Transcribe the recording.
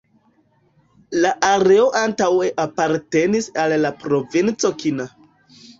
La areo antaŭe apartenis al la provinco Kina.